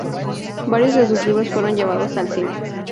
Varios de sus libros fueron llevados al cine.